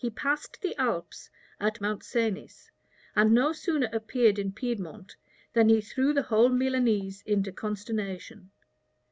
He passed the Alps at Mount Cenis, and no sooner appeared in Piedmont than he threw the whole Milanese into consternation.